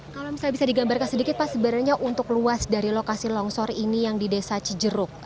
kalau misalnya bisa digambarkan sedikit pak sebenarnya untuk luas dari lokasi longsor ini yang di desa cijeruk